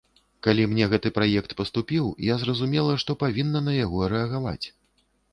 Калі мне гэты праект паступіў, я зразумела, што павінна на яго рэагаваць.